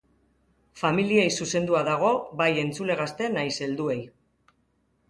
Familiei zuzendua dago, bai entzule gazte nahiz helduei.